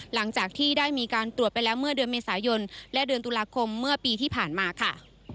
หลังจากที่ได้มีการตรวจไปแล้วเมื่อเดือนเมษายนและเดือนตุลาคมเมื่อปีที่ผ่านมาค่ะ